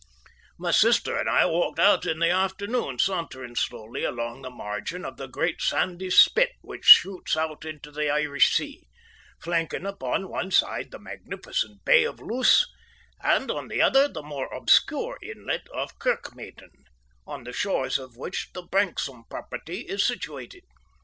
My sister and I walked out in the afternoon, sauntering slowly along the margin of the great, sandy spit which shoots out into the Irish Sea, flanking upon one side the magnificent Bay of Luce, and on the other the more obscure inlet of Kirkmaiden, on the shores of which the Branksome property is situated.